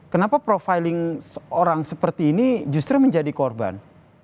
kenapa profiling orang seperti ini justru menjadi korban